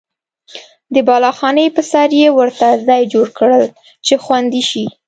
د بالاخانې په سر یې ورته ځای جوړ کړل چې خوندي شي.